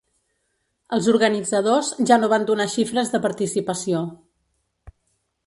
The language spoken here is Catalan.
Els organitzadors ja no van donar xifres de participació.